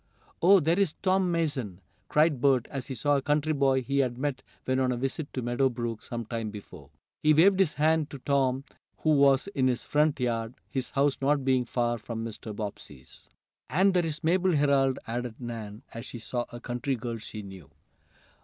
"Oh, there is Tom Mason!" cried Bert, as he saw a country boy he had met when on a visit to Meadow Brook some time before. He waved his hand to Tom who was in his front yard, his house not being far from Mr. Bobbsey's. "And there's Mabel Herold!" added Nan, as she saw a country girl she knew.